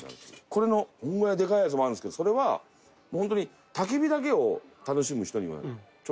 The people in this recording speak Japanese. これのこのぐらいでかいやつもあるんですけどそれはもうホントに焚き火だけを楽しむ人にはちょうどいいかもしれない。